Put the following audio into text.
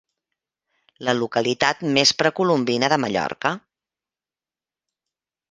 La localitat més precolombina de Mallorca.